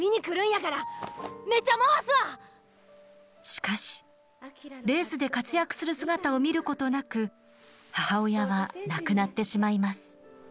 しかしレースで活躍する姿を見ることなく母親は亡くなってしまいます。